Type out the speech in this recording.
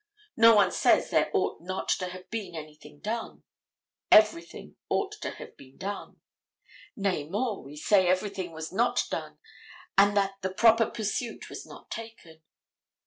No one says there ought not to have been anything done. Everything ought to have been done. Nay, more, we say everything was not done and that the proper pursuit was not taken.